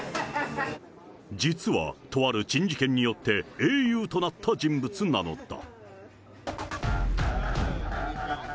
実はとある珍事件によって、英雄となった人物なのだ。